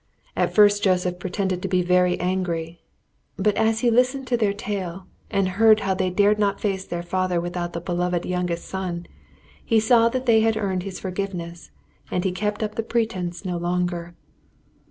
At first Joseph pretended to be very angry, but as he listened to their tale and heard how they dared not face their father without the beloved youngest son, he saw that they had earned his forgiveness, and he kept up the pretence no longer.